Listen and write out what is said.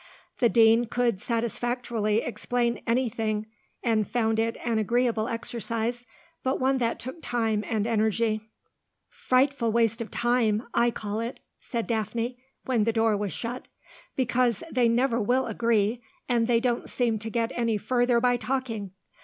The Dean could satisfactorily explain anything, and found it an agreeable exercise, but one that took time and energy. "Frightful waste of time, I call it," said Daphne, when the door was shut. "Because they never will agree, and they don't seem to get any further by talking.